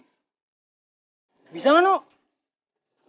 gak bisa kan lu